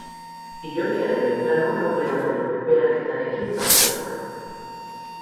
Hilobiaren oinplanoa noble baten lurperaketarekin bat dator.